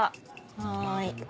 はい。